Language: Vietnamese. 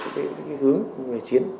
cái hướng của người chiến